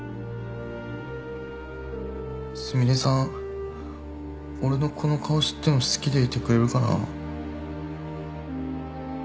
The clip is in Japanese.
すみれさん俺のこの顔知っても好きでいてくれるかな。